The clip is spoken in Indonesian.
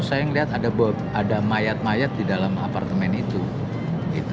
saya melihat ada mayat mayat di dalam apartemen itu